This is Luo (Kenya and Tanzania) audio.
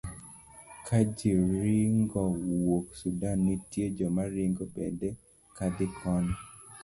ka ji ringo wuok Sudan, nitie joma ringo bende kadhi kono.